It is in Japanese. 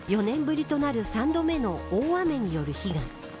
そして４年ぶりとなる３度目の大雨による被害。